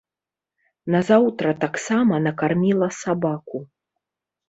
Назаўтра таксама накарміла сабаку.